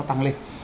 nó tăng lên